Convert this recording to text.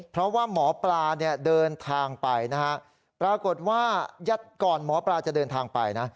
เพราะว่าหมอปลาเนี่ยเดินทางไปนะฮะปรากฏว่ายัดก่อนหมอปลาจะเดินทางไปนะ